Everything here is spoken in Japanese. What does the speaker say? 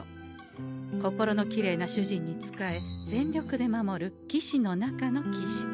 心のきれいな主人に仕え全力で守る騎士の中の騎士。